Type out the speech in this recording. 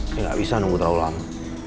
saya nggak bisa nunggu terlalu lama